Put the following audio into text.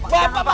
bapak jangan pak